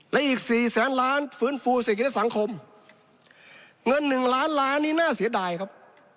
และอีกสี่แสนล้านฟื้นฟูเศรษฐกิจและสังคมเงินหนึ่งล้านล้านนี่น่าเสียดายครับ